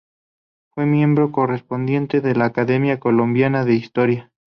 Fue miembro correspondiente de la Academia Colombiana de Historia.